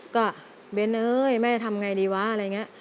ก็เบ้นเอ้ยแม่จะทำไงดีวะอะไรอย่างนี้